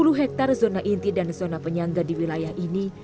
sepuluh hektare zona inti dan zona penyangga di wilayah ini